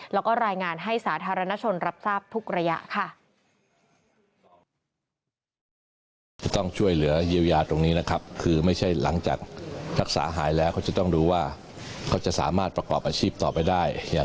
และรายงานให้สาธารณชนรับทราบทุกระยะ